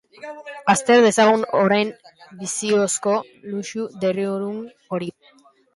Azter dezagun orain biziozko luxu deritzogun hori.